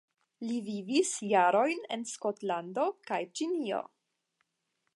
Li vivis jarojn en Skotlando kaj Ĉinio.